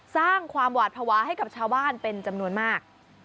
สร้างความหวาดภาวะให้กับชาวบ้านเป็นจำนวนมาก